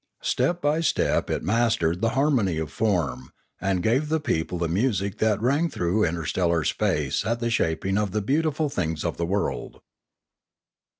Step by step it mastered the harmony of form, and gave the people the music that rang through interstellar space at the shaping of the beautiful things of the world.